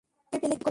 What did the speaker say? তাকে পেলে কি করবে?